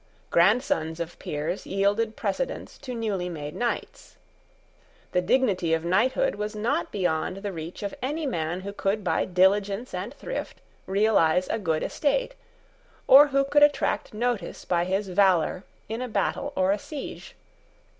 Grandsons of peers yielded precedence to newly made knights. The dignity of knighthood was not beyond the reach of any man who could by diligence and thrift realise a good estate, or who could attract notice by his valour in a battle or a siege.